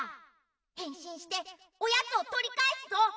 へんしんしておやつをとりかえすぞ！